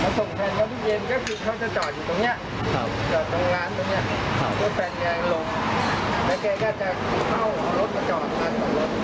มาส่งแฟนมาทุกเย็นก็คือเขาจะจอดอยู่ตรงเนี้ยครับจอดตรงร้านตรงเนี้ยครับ